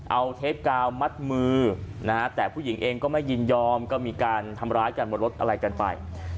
เอาเทปกาวมัดมือนะฮะแต่ผู้หญิงเองก็ไม่ยินยอมก็มีการทำร้ายกันบนรถอะไรกันไป